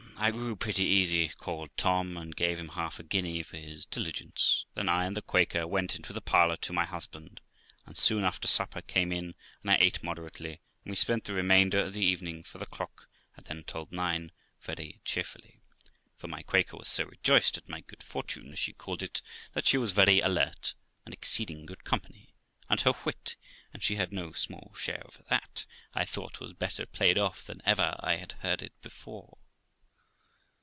I grew pretty easy, called 396 THE LIFE OF ROXANA Tom, and gave him half a guinea for his diligence ; then I and the Quaker went into the parlour to my husband, and soon after supper came in, and I ate moderately, and we spent the remainder of the evening, for the clock had then tolled nine, very cheerfully; for my Quaker was so rejoiced at my good fortune, as she called it, that she was very alert, and exceeding good company; and her wit, and she had no small share of it, I thought was better played off than ever I had heard it before.